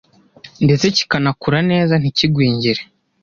ndetse kikanakura neza ntikigwingire.